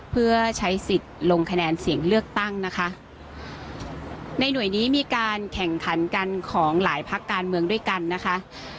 เพื่อใช้สิทธิ์ลงคะแนนเสียงเลือกตั้งนะคะในหน่วยนี้มีการแข่งขันกันของหลายพักการเมืองด้วยกันนะคะ